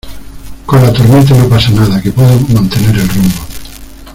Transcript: con la tormenta no pasa nada, que puedo mantener el rumbo.